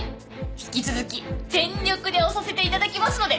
引き続き全力で推させて頂きますので。